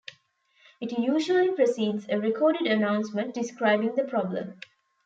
It usually precedes a recorded announcement describing the problem.